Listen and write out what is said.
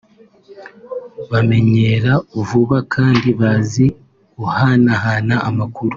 bamenyera vuba kandi bazi guhanahana amakuru